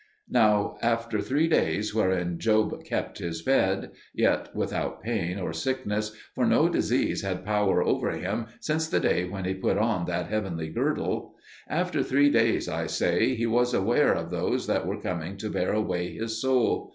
Now after three days wherein Job kept his bed yet without pain or sickness, for no disease had power over him since the day when he put on that heavenly girdle after three days, I say, he was aware of those that were coming to bear away his soul.